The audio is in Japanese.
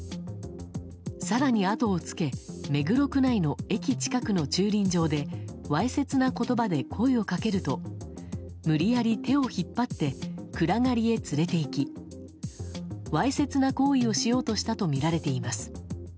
更にあとをつけ目黒区内の駅近くの駐輪場でわいせつな言葉で声をかけると無理やり手を引っ張って暗がりへ連れていきわいせつな行為をしようとしたとみられています。